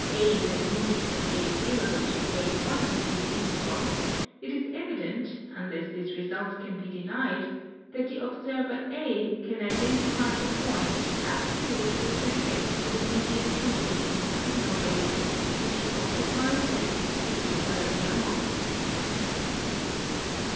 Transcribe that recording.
A has moved from A^ to A^ in the interval, it is evident, unless this result can be denied, that the observer A can identify the point, absolute with respect to the medium transmitting the signal waves, which he occupied at a specific earlier moment.